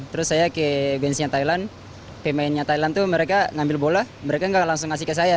terus saya ke bench nya thailand pemainnya thailand itu mereka ngambil bola mereka nggak langsung ngasih ke saya